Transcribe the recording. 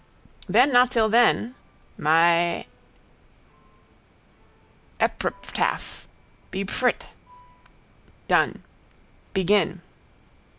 Then not till then. My eppripfftaph. Be pfrwritt. Done. Begin!